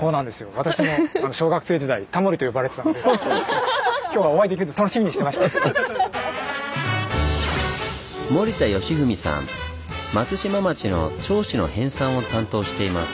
私も松島町の町史の編さんを担当しています。